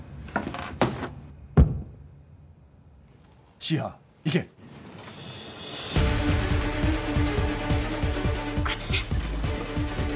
Ｃ班行けこっちです